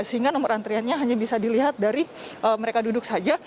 sehingga nomor antriannya hanya bisa dilihat dari mereka duduk saja